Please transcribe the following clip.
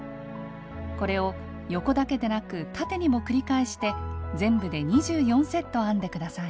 これを横だけでなく縦にも繰り返して全部で２４セット編んでください。